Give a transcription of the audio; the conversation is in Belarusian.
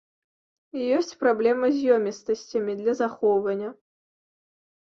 Ёсць праблема з ёмістасцямі для захоўвання.